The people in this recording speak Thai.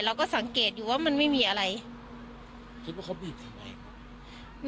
เราก็สังเกตอยู่ว่ามันไม่มีอะไรคิดว่าเขาบีบทำไม